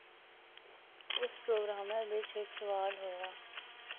اُس پروگراما بچ ہک سوال ہویا۔